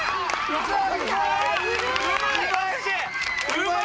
うまい！